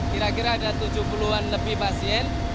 kira kira ada tujuh puluh an lebih pasien